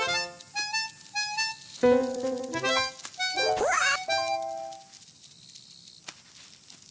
うわっ！